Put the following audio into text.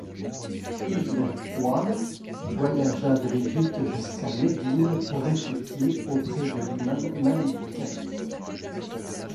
Ibn Wahb voyagea de l'Égypte jusqu'à Médine pour étudier auprès de l'imam Mālik.